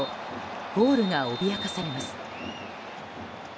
ゴールが脅かされます。